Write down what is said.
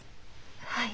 はい。